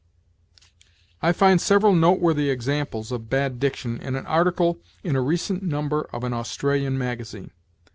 I find several noteworthy examples of bad diction in an article in a recent number of an Australian magazine.